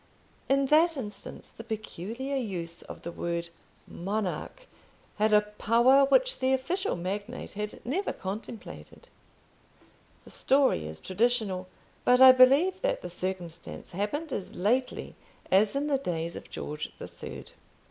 In that instance the peculiar use of the word Monarch had a power which the official magnate had never contemplated. The story is traditional; but I believe that the circumstance happened as lately as in the days of George the Third.